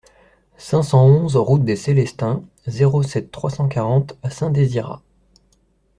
cinq cent onze route des Célestins, zéro sept, trois cent quarante à Saint-Désirat